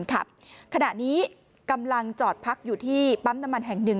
ขณะนี้กำลังจอดพักอยู่ที่ปั๊มน้ำมันแห่งหนึ่ง